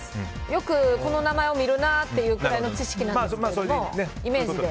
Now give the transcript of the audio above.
よくこの名前を見るなぐらいの知識なんですけど。